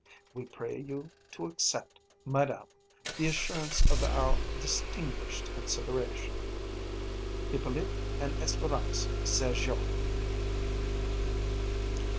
We pray you to accept, madame, the assurance of our distinguished consideration, HIPPOLYTE AND ESPÉRANCE SERGEOT.